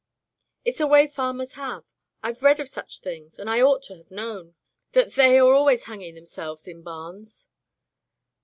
'* "It's a way f farmers have. Fve read of such things, and I ought to have known. Th they are always hanging themselves in barns."